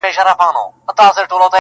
له رویباره مي پوښتمه محلونه د یارانو!!